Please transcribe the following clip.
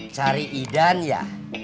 cari idan ya